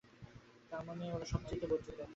তার মানে ওরা সব চেয়ে বঞ্চিত।